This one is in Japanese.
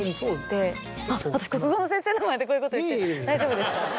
大丈夫ですか？